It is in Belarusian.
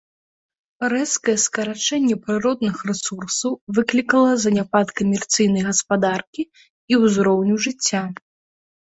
Рэзкае скарачэнне прыродных рэсурсаў выклікала заняпад камерцыйнай гаспадаркі і ўзроўню жыцця.